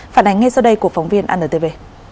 phản ánh ngay sau đây của phóng viên anntv